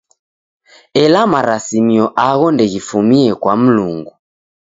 Ela marisimio agho ndeghifumie kwa Mlungu.